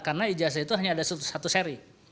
karena ijasa itu hanya ada satu seri